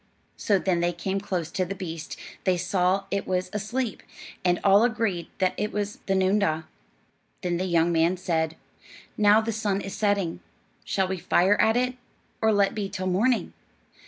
So when they came close to the beast, they saw that it was asleep, and all agreed that it was the noondah. Then the young man said, "Now the sun is setting, shall we fire at it, or let be till morning?"